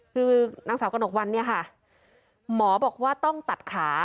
คือนางสาวกระหนกวันเนี่ยค่ะหมอบอกว่าต้องตัดขา